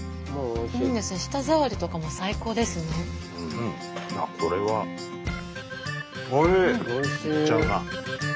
いっちゃうな。